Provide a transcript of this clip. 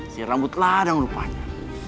si rambut ladang rupanya